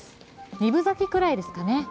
二分咲きぐらいですかね。